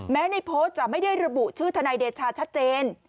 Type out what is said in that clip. ในโพสต์จะไม่ได้ระบุชื่อทนายเดชาชัดเจน